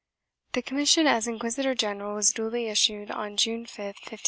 1 The commission as inquisitor general was duly issued on June 5, 1507.